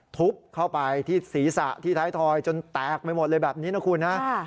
ทุบเข้าไปที่ศีรษะที่ท้ายทอยจนแตกไปหมดเลยแบบนี้นะคุณฮะ